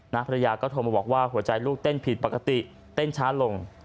ภรรยาก็โทรมาบอกว่าหัวใจลูกเต้นผิดปกติเต้นช้าลง